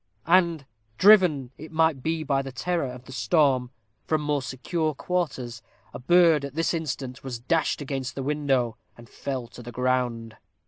And driven, it might be by the terror of the storm, from more secure quarters, a bird, at this instant, was dashed against the window, and fell to the ground.